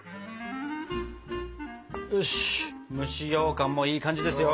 よし蒸しようかんもいい感じですよ！